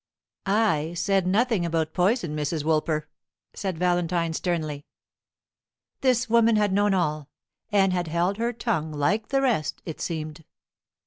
"I said nothing about poison, Mrs. Woolper," said Valentine, sternly. This woman had known all, and had held her tongue, like the rest, it seemed.